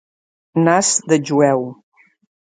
Nas de jueu.